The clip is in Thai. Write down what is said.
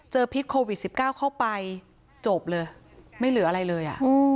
พิษโควิด๑๙เข้าไปจบเลยไม่เหลืออะไรเลย